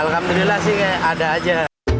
alhamdulillah sih ada aja